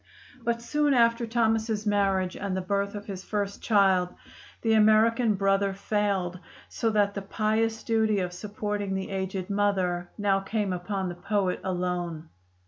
But soon after Thomas's marriage and the birth of his first child, the American brother failed, so that the pious duty of supporting the aged mother now came upon the poet alone.